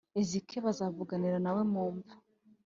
ezk bazavuganira na we mu mva